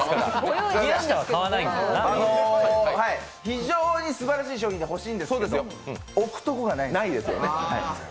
非常にすばらしい商品で欲しいんですけど、置くところがないんです。